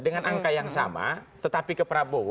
dengan angka yang sama tetapi ke prabowo